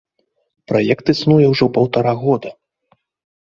Праект існуе ўжо паўтара года.